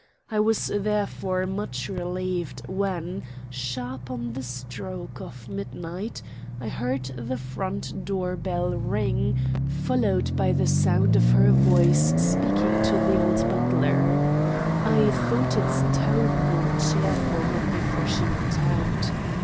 I was therefore much relieved when, sharp on the stroke of midnight, I heard the front door bell ring, followed by the sound of her voice speaking to the old butler. I thought its tone more cheerful than before she went out.